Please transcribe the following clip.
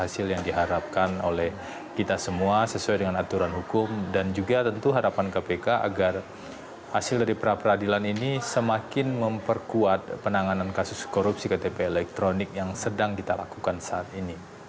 hasil yang diharapkan oleh kita semua sesuai dengan aturan hukum dan juga tentu harapan kpk agar hasil dari pra peradilan ini semakin memperkuat penanganan kasus korupsi ktp elektronik yang sedang kita lakukan saat ini